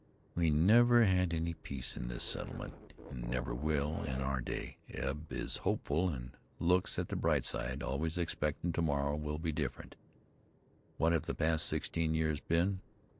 "We never had any peace in this settlement, an' never will in our day. Eb is hopeful an' looks at the bright side, always expectin' to morrow will be different. What have the past sixteen years been?